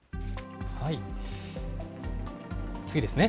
次ですね。